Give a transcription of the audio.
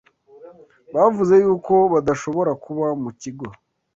bavuze yuko badashobora kuba mu Kigo